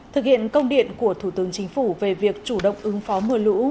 thực hiện công điện của thủ tướng chính phủ về việc chủ động ứng phó mưa lũ